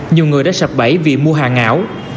nhiều người đã sập bẫy vì mua hàng ảo